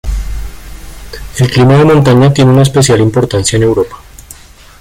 El clima de montaña tiene una especial importancia en Europa.